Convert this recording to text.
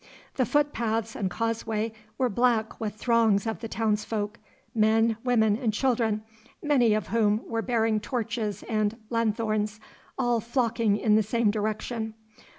The footpaths and causeway were black with throngs of the townsfolk, men, women, and children, many of whom were bearing torches and lanthorns, all flocking in the same direction.